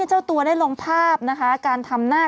เจ้าตัวได้ลงภาพนะคะการทำหน้า